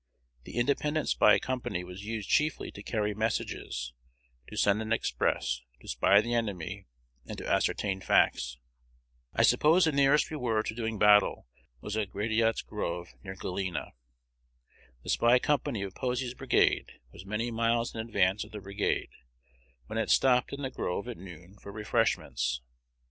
The 'Independent Spy Company' was used chiefly to carry messages, to send an express, to spy the enemy, and to ascertain facts. I suppose the nearest we were to doing battle was at Gratiot's Grove, near Galena. The spy company of Posey's brigade was many miles in advance of the brigade, when it stopped in the grove at noon for refreshments.